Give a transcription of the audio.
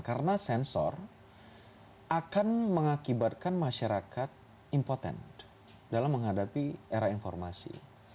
karena sensor akan mengakibatkan masyarakat impotent dalam menghadapi era informasi